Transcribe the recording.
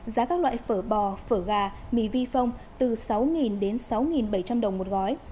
giá các loại phở bò phở gà mì vi phong từ sáu đến sáu bảy trăm linh đồng một gói